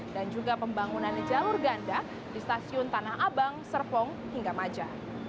dan juga pembangunan jalur ganda di stasiun tanah abang serpong hingga maja